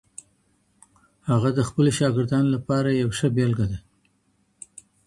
هغه د خپلو شاګردانو لپاره یوه ښه بېلګه ده.